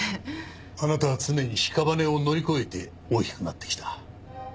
あなたは常に屍を乗り越えて大きくなってきた。